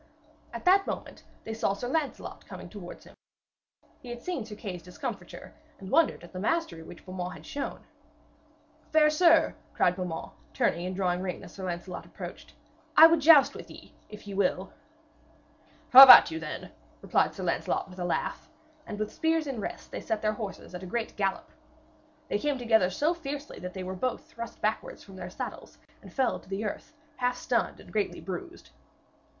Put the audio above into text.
At that moment they saw Sir Lancelot coming towards him. He had seen Sir Kay's discomfiture, and wondered at the mastery which Beaumains had shown. 'Fair sir,' cried Beaumains, turning and drawing rein as Sir Lancelot approached, 'I would joust with you, if ye will.' 'Have at you, then!' replied Sir Lancelot with a laugh, and with spears in rest they set their horses at a great gallop. They came together so fiercely that they were both thrust backwards from their saddles and fell to the earth, half stunned and greatly bruised.